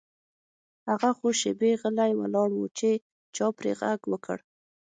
هغه څو شیبې غلی ولاړ و چې چا پرې غږ وکړ